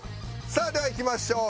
さあではいきましょう。